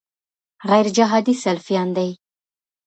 غیرجهادي سلفیان دي.